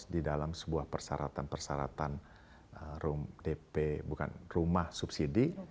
di dalam sebuah persyaratan persyaratan rumah subsidi